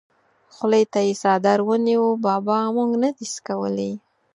خولې ته یې څادر ونیو: بابا مونږ نه دي څکولي!